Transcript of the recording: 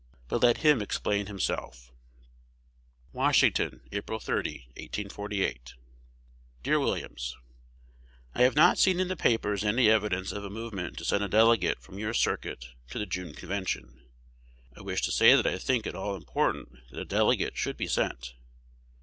But let him explain himself: Washington, April 30, 1848. Dear Williams, I have not seen in the papers any evidence of a movement to send a delegate from your circuit to the June Convention. I wish to say that I think it all important that a delegate should be sent.